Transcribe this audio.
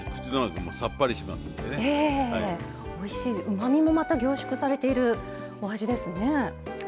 うまみもまた凝縮されているお味ですね。